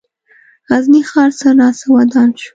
غزني ښار څه ناڅه ودان شو.